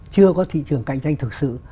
chưa có thị trường cạnh tranh thực sự